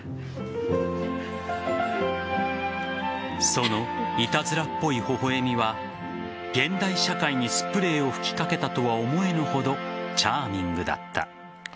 そのいたずらっぽい微笑みは現代社会にスプレーを吹きかけたとは思えぬほどチャーミングだった。